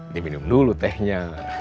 diminum dulu tehnya